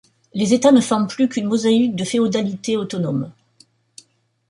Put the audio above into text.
Les États ne forment plus qu'une mosaïque de féodalités autonomes.